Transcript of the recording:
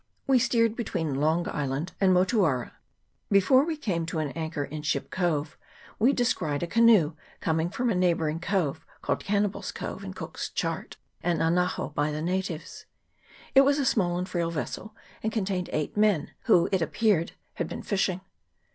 We steered between Long Island and Motuara. Before we came to an anchor in Ship Cove we descried a canoe coming from a neighbouring cove, called Cannibals' Cove in Cook's chart, and Anaho by the natives. It was a small and frail vessel, and contained eight men, who, it appeared, had been fishing.